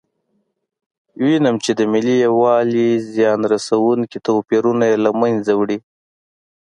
وینم چې د ملي یووالي زیان رسونکي توپیرونه یې له منځه وړي.